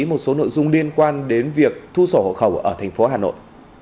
một số nội dung liên quan đến việc thu sổ hộ khẩu ở thành phố hà nội